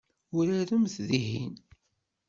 Uraremt dihin.